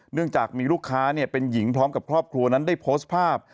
เนื่องจากมีลูกค้าเป็นหญิงพร้อมกับครอบครัวนั้นได้โพสต์ภาพ